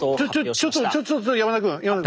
ちょっとちょっと山田君山田君。